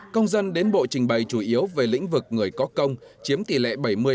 công dân đến bộ trình bày chủ yếu về lĩnh vực người có công chiếm tỷ lệ bảy mươi